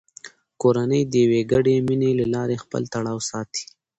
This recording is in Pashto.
کورنۍ د یوې ګډې مینې له لارې خپل تړاو ساتي